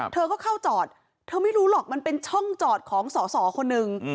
เธอก็เข้าจอดเธอไม่รู้หรอกมันเป็นช่องจอดของสอสอคนหนึ่ง